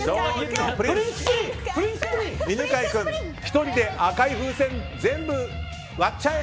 犬飼君、１人で赤い風船全部割っちゃえ！